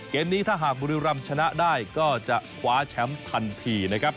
นี้ถ้าหากบุรีรำชนะได้ก็จะคว้าแชมป์ทันทีนะครับ